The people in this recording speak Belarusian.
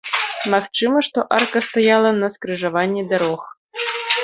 Магчыма, што арка стаяла на скрыжаванні дарог.